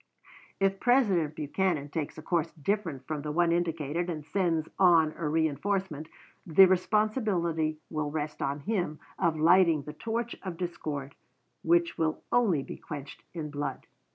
If President Buchanan takes a course different from the one indicated and sends on a reënforcement, the responsibility will rest on him of lighting the torch of discord, which will only be quenched in blood.